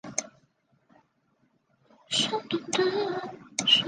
这位神秘的私人老板只通过扬声器与他的女下属们联系。